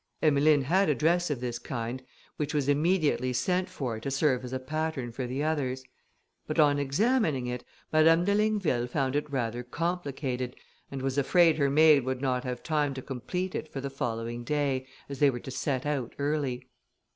Emmeline had a dress of this kind, which was immediately sent for to serve as a pattern for the others; but on examining it, Madame de Ligneville found it rather complicated, and was afraid her maid would not have time to complete it for the following day, as they were to set out early.